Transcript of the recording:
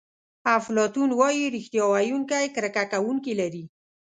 افلاطون وایي ریښتیا ویونکی کرکه کوونکي لري.